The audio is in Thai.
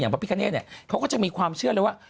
พระพิกาเนธเขาก็จะมีความเชื่อเลยว่า